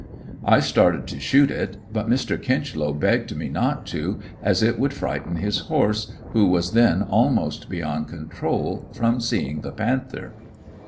I started to shoot it but Mr. Kinchlow begged me not to as it would frighten his horse, who was then almost beyond control, from seeing the panther.